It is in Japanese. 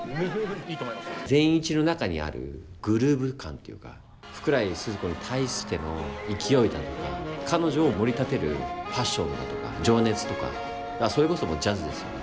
善一の中にあるグルーヴ感というか福来スズ子に対しての勢いだとか彼女をもり立てるパッションだとか情熱とかそれこそジャズですよね